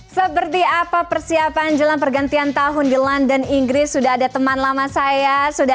seperti apa persiapan jelang pergantian tahun di london inggris sudah ada teman lama saya sudah